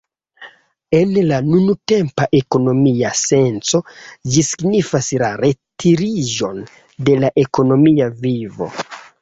En la nuntempa ekonomia senco, ĝi signifas la retiriĝon de la ekonomia vivo.